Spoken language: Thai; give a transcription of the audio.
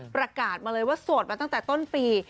ประกาศมาเลยว่าโสดมาตั้งแต่ต้นปี